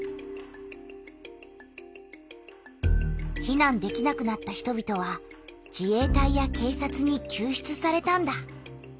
避難できなくなった人びとは自衛隊や警察にきゅう出されたんだ。